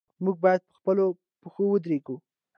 موږ باید په خپلو پښو ودریږو.